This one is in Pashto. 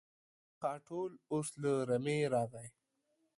خاټول اوس له رمې راغی.